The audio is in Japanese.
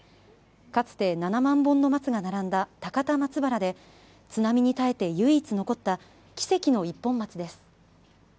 かつて、７万本の松が並んだ高田松原で津波に耐えて唯一残った奇跡の一本松です。